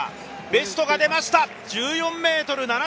ベストが出ました。